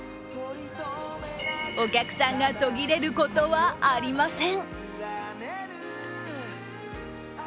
お客さんが途切れることはありません。